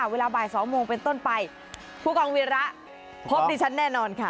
เวลาบ่าย๒โมงเป็นต้นไปผู้กองวีระพบดิฉันแน่นอนค่ะ